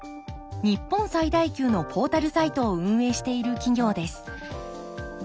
日本最大級のポータルサイトを運営している企業です。